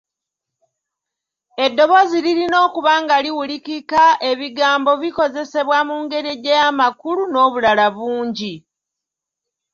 Eddoboozi lirina okuba nga liwulirikika, ebigambo bikozesebwa mu ngeri eggyayo amakulu n’obulala bungi.